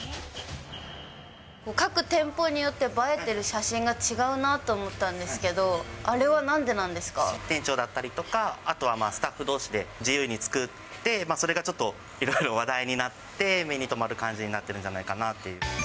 各店舗によって、映えてる写真が違うなと思ったんですけど、あれはなんでなんです店長だったりとか、あとはスタッフどうしで自由に作って、それがちょっといろいろ話題になって、目にとまる感じになってるんじゃないかなっていう。